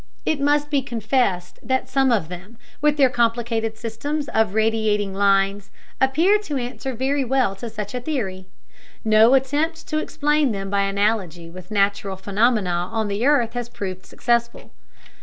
It must be confessed that some of them, with their complicated systems of radiating lines, appear to answer very well to such a theory. No attempt to explain them by analogy with natural phenomena on the earth has proved successful.